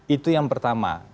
itu yang pertama